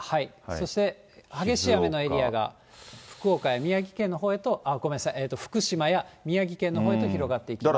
そして激しい雨のエリアが福岡や宮城県のほうへと、福島や宮城県のほうへと広がっていきます。